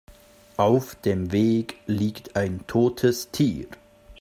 Auf dem Weg liegt ein totes Tier.